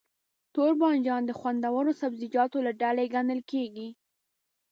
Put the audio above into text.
توربانجان د خوندورو سبزيجاتو له ډلې ګڼل کېږي.